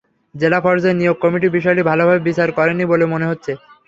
জেলা পর্যায়ে নিয়োগ কমিটি বিষয়টি ভালোভাবে বিচার করেনি বলে মনে হচ্ছে।